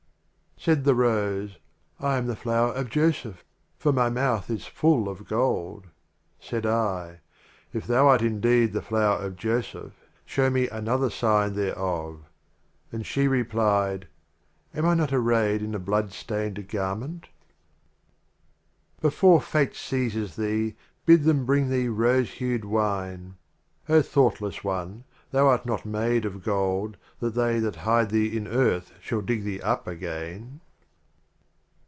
XIV. Said the Rose, "I am the Flower of Joseph ! For my Mouth is full of Gold." Said I, "If thou art indeed the Flower of Joseph, show me an other Sign thereof." And she replied, " Am I not arrayed in a blood stained Garment?" 54 XV. Before Fate seizes thee, Bid them bring thee Rose hued Wine. O Thoughtless One, thou art not made of Gold That they that hide thee in Earth shall dig thee up again